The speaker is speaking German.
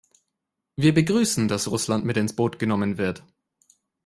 Wir begrüßen, dass Russland mit ins Boot genommen wird.